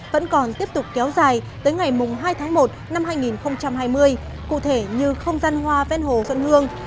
vẫn còn tiếp tục kéo dài tới ngày hai tháng một năm hai nghìn hai mươi cụ thể như không gian hoa ven hồ xuân hương